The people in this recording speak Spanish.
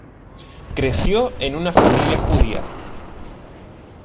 Creció en una familia judía.